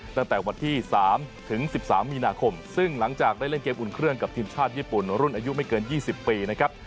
ตั้งแต่วันที่๓ถึง๑๓มีนาคมซึ่งหลังจากได้เล่นเกมอุ่นเครื่องกับทีมชาติญี่ปุ่นรุ่นอายุไม่เกิน๒๐ปีนะครับ